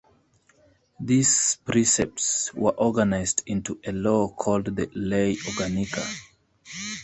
These precepts were organized into a law called the Ley Organica.